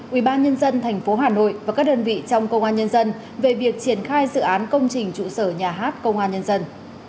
ubnd tp hà nội và các đơn vị trong công an nhân dân về việc triển khai dự án công trình trụ sở nhà hát công an nhân dân